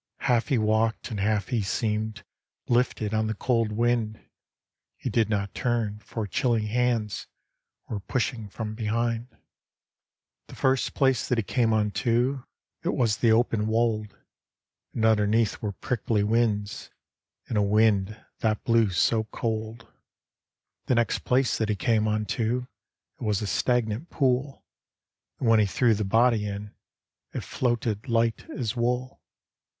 Half be walked, and half be seemed Lifted on the cold wind; He did not turn, for chilly hands Were pushing from behind. D,gt,, erihyGOOgle The Ballad of Judas Iscariot The first place that he came unto It was the open wold. And underneath were prickly whins, And a wind that blew so cold. The next place that he came unto It was a stagnant pool, And when he threw the body in It floated, light as wool.